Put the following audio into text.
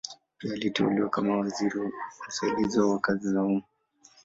Pia aliteuliwa kama waziri msaidizi wa kazi za umma.